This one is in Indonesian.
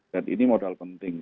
dan ini modal penting